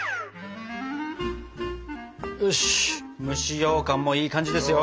よし蒸しようかんもいい感じですよ！